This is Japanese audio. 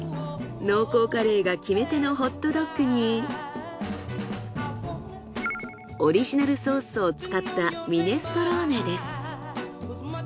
濃厚カレーが決めてのホットドッグにオリジナルソースを使ったミネストローネです。